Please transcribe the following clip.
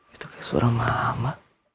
itu kayak suara mama